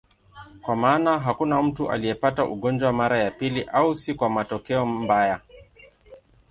Kwa maana hakuna mtu aliyepata ugonjwa mara ya pili, au si kwa matokeo mbaya.